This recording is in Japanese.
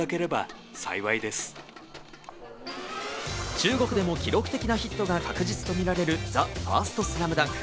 中国でも記録的なヒットが確実とみられる『ＴＨＥＦＩＲＳＴＳＬＡＭＤＵＮＫ』。